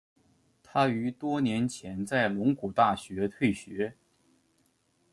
他于多年前在龙谷大学退学。